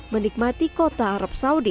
menikmati kota arab saudi